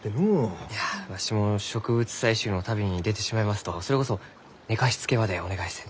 いやわしも植物採集の旅に出てしまいますとそれこそ寝かしつけまでお願いせんと。